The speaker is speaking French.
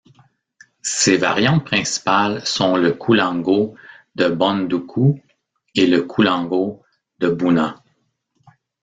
Ses variantes principales sont le koulango de Bondoukou et le koulango de Bouna.